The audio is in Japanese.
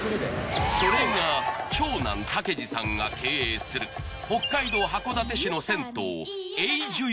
それが長南武次さんが経営する北海道函館市の銭湯永寿湯